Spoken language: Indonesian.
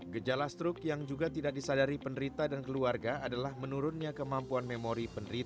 gejala struk yang juga tidak disadari penderita dan keluarga adalah menurunnya kemampuan memori penderita